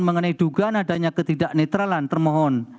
mengenai dugaan adanya ketidak netralan termohon